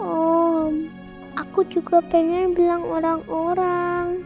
oh aku juga pengen bilang orang orang